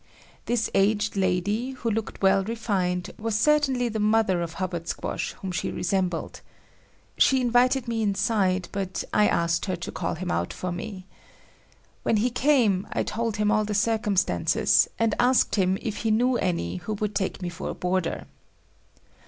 This aged lady, who looked well refined, was certainly mother of Hubbard Squash whom she resembled. She invited me inside, but I asked her to call him out for me. When he came I told him all the circumstances, and asked him if he knew any who would take me for a boarder.